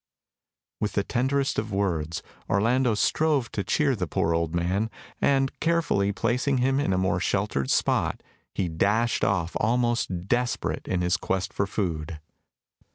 With the tenderest words Orlando strove to cheer the poor old man, and, carefully placing him in a more sheltered spot, he dashed off almost desperate in his quest for food.